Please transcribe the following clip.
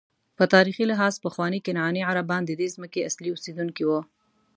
په تاریخي لحاظ پخواني کنعاني عربان ددې ځمکې اصلي اوسېدونکي وو.